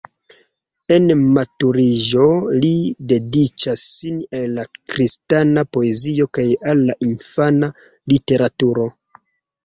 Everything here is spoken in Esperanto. En maturiĝo li dediĉas sin al la kristana poezio kaj al la infana literaturo.